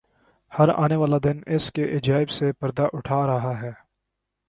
ہر آنے والا دن اس کے عجائب سے پردہ اٹھا رہا ہے۔